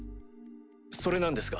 それなんですが。